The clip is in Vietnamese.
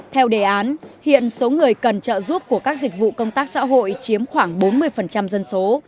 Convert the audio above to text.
theo đề án hiện số người cần trợ giúp của các dịch vụ công tác xã hội chiếm khoảng bốn mươi dân số